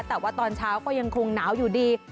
แต่ว่าตอนเช้าก็ยังคงหนาวอยู่ดี